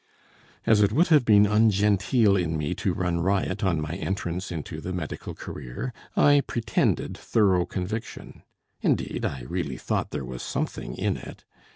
As it would have been ungenteel in me to run riot on my entrance into the medical career, I pretended thorough conviction; indeed, I really thought there was something in it.